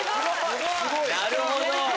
なるほど！